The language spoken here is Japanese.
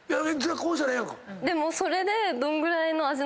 でもそれで。